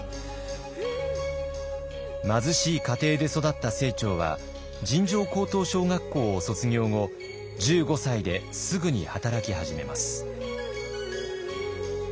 貧しい家庭で育った清張は尋常高等小学校を卒業後１５歳ですぐに働き始めます。